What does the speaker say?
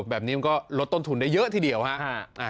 แบบนี้มันก็ลดต้นทุนได้เยอะทีเดียวฮะฮะ